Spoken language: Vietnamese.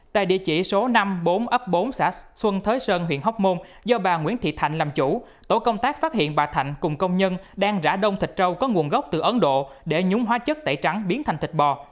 tại địa chỉ số năm mươi bốn ấp bốn xã xuân thới sơn huyện hóc môn do bà nguyễn thị thành làm chủ tổ công tác phát hiện bà thạnh cùng công nhân đang rã đông thịt trâu có nguồn gốc từ ấn độ để nhúng hóa chất tẩy trắng biến thành thịt bò